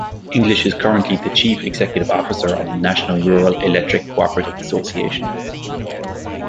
English is currently the chief executive officer of the National Rural Electric Cooperative Association.